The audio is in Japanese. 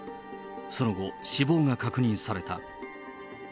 その後、死亡が確認された。